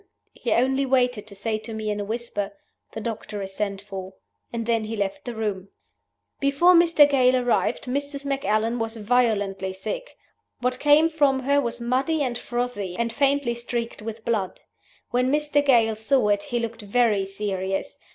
He only waited to say to me in a whisper, 'The doctor is sent for,' and then he left the room. "Before Mr. Gale arrived Mrs. Macallan was violently sick. What came from her was muddy and frothy, and faintly streaked with blood. When Mr. Gale saw it he looked very serious.